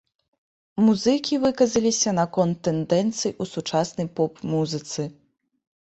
Музыкі выказаліся наконт тэндэнцый у сучаснай поп-музыцы.